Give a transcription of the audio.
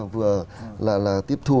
vừa là tiếp thu